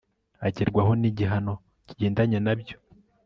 agerwaho n'igihano kigendanye na byo